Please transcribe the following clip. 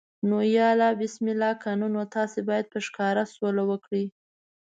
نو یا الله بسم الله، کنه نو تاسو باید په ښکاره سوله وکړئ.